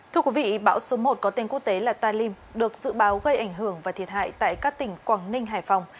thưa quý vị bão số một có tên quốc tế là talim được dự báo gây ảnh hưởng và thiệt hại tại các tỉnh quảng ninh hải phòng